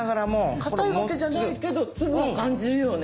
かたいわけじゃないけど粒を感じるよね